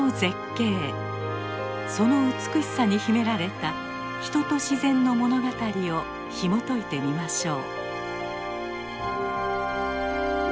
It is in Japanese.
その美しさに秘められた人と自然の物語をひもといてみましょう。